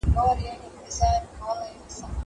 زه هره ورځ د زده کړو تمرين کوم.